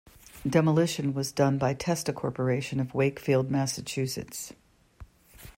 Demolition was done by Testa Corporation of Wakefield, Massachusetts.